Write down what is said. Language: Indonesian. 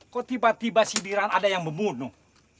kok tiba tiba si diran ada yang membunuh